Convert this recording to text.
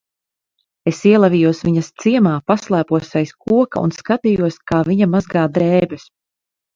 Es ielavījos viņas ciemā, paslēpos aiz koka un skatījos, kā viņa mazgā drēbes.